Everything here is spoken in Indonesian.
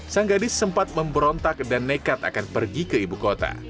sang gadis sempat memberontak dan nekat akan pergi ke ibu kota